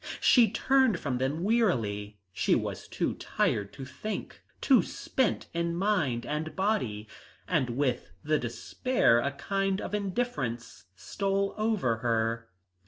She turned from them wearily; she was too tired to think, too spent in mind and body. And with the despair a kind of indifference stole over her.